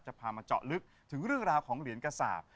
พามาเจาะลึกถึงเรื่องราวของเหรียญกระสาป